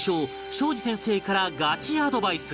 東海林先生からガチアドバイス